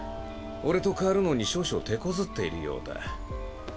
俺と代わるのに少々てこずっているようだ。